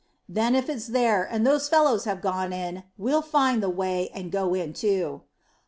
"Then if it's there, and those fellows have gone in, we'll find the way, and go in too."